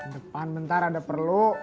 depan bentar ada perlu